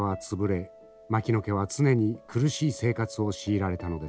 牧野家は常に苦しい生活を強いられたのです。